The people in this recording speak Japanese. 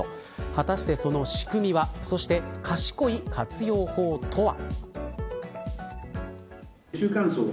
果たしてその仕組みはまた、賢い活用法とは。